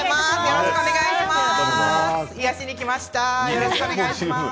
よろしくお願いします。